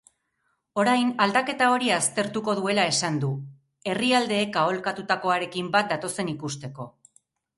Orain aldaketa hori aztertuko duela esan du, herrialdeek aholkatutakoarekin bat datozen ikusteko.